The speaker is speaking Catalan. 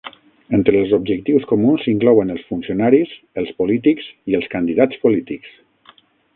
Entre els objectius comuns s'inclouen els funcionaris, els polítics i els candidats polítics.